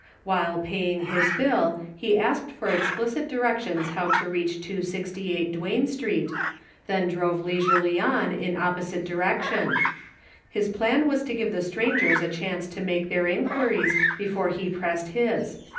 While paying his bill he asked for explicit directions how to reach 268 Duane Street, then drove leisurely in an opposite 190 HAPPENINGS. direction ; his plan was to give the strangers a chance to make their inquiries before he pressed his.